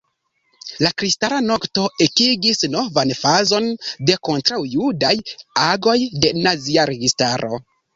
La Kristala nokto ekigis novan fazon de kontraŭjudaj agoj de nazia registaro.